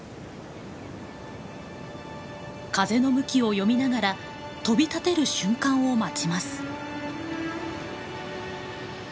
風の向きを読みながら飛び立てる瞬間を待ちます。